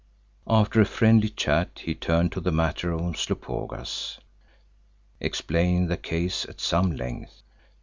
After a friendly chat he turned to the matter of Umslopogaas, explaining the case at some length.